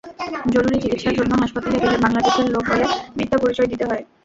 জরুরি চিকিৎসার জন্য হাসপাতালে গেলে বাংলাদেশের লোক বলে মিথ্যা পরিচয় দিতে হয়।